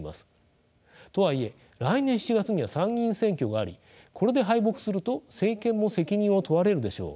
とはいえ来年７月には参議院選挙がありこれで敗北すると政権も責任を問われるでしょう。